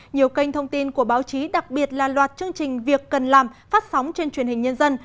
nhiều kênh thông tin của báo chí đặc biệt là loạt chương trình việc cần làm phát sóng trên truyền hình nhân dân